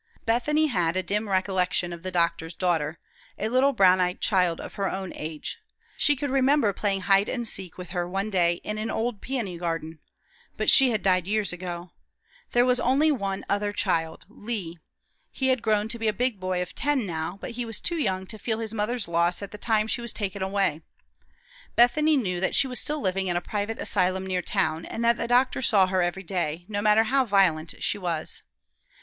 Bethany had a dim recollection of the doctor's daughter, a little brown eyed child of her own age. She could remember playing hide and seek with her one day in an old peony garden. But she had died years ago. There was only one other child Lee. He had grown to be a big boy of ten now, but he was too young to feel his mother's loss at the time she was taken away. Bethany knew that she was still living in a private asylum near town, and that the doctor saw her every day, no matter how violent she was.